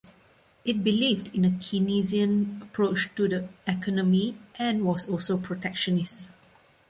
It believed in a Keynesian approach to the economy, and was also protectionist.